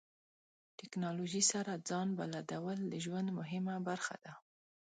ټکنالوژي سره ځان بلدول د ژوند مهمه برخه ده.